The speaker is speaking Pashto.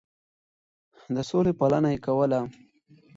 د سولې پالنه يې کوله.